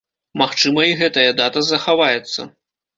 Магчыма, і гэтая дата захаваецца.